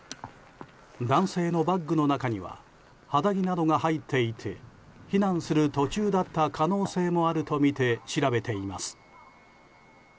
男性のバッグの中には肌着などが入っていて避難する途中だった可能性もあるとみて調べています。